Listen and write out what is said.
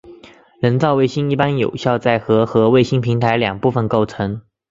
人造卫星一般由有效载荷和卫星平台两部分构成。